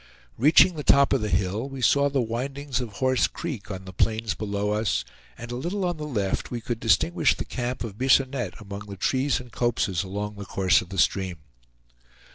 Reaching the top of the hill we saw the windings of Horse Creek on the plains below us, and a little on the left we could distinguish the camp of Bisonette among the trees and copses along the course of the stream.